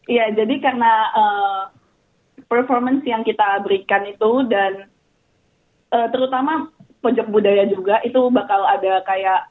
iya jadi karena performance yang kita berikan itu dan terutama pojok budaya juga itu bakal ada kayak